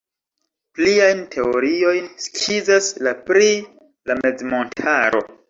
Pliajn teoriojn skizas la pri la mezmontaro.